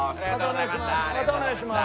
またお願いします。